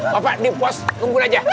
bapak di pos kumpul aja